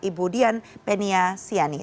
ibu dian penia siani